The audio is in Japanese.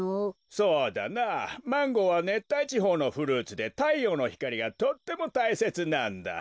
そうだなマンゴーはねったいちほうのフルーツでたいようのひかりがとってもたいせつなんだ。